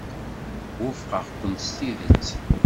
Wufqeɣ-kent s tidet.